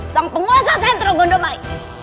sang penguasa sentro gondomai